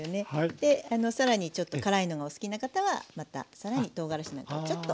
で更にちょっと辛いのがお好きな方はまた更にとうがらしなんかをちょっと。